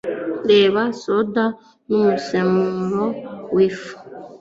Reba “Soda n’Umusemburo w’ifu,”